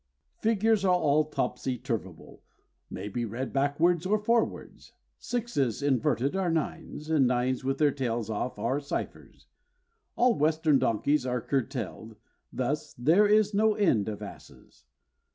Figures are all topsy turvable; may be read backwards or forwards; Sixes inverted are nines, and nines with their tails off are ciphers, All Western donkeys are curtailed, thus there is no end of asses.